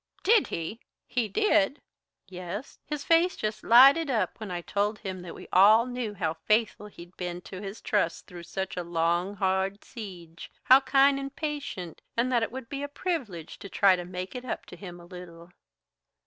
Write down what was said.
"Did he? He did!" "Yes, his face just lighted up when I told him that we all knew how faithful he'd been to his trust through such a long, hard siege, how kind and patient, and that it would be a privilege to try to make it up to him a little."